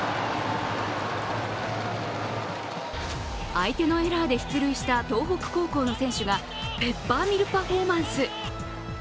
相手のエラーで出塁した東北高校の選手がペッパーミルパフォーマンス。